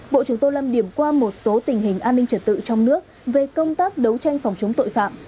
bộ trưởng tô lâm điểm qua một số tình hình an ninh trật tự trong nước về công tác đấu tranh phòng chống tội phạm